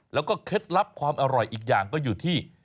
แล้วก็เคล็ดลับความอร่อยอีกอย่างก็อยู่ที่